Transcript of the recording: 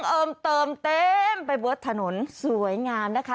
เพิ่มเติมเต็มไปบนถนนสวยงามนะคะ